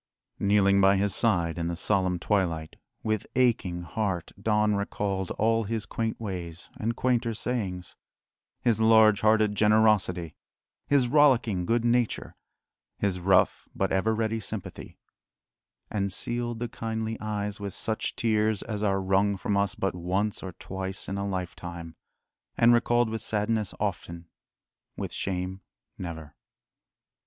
Kneeling by his side in the solemn twilight, with aching heart Don recalled all his quaint ways and quainter sayings, his large hearted generosity, his rollicking good nature, his rough but ever ready sympathy and sealed the kindly eyes with such tears as are wrung from us but once or twice in a lifetime, and recalled with sadness often, with shame never.